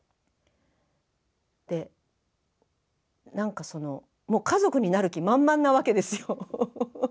でなんかそのもう家族になる気満々なわけですよ。